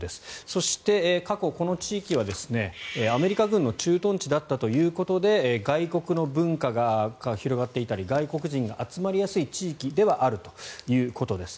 そして過去、この地域はアメリカ軍の駐屯地だったということで外国の文化が広がっていたり外国人が集まりやすい地域ではあるということです。